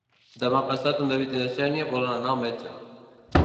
Demà passat en David i na Xènia volen anar al metge.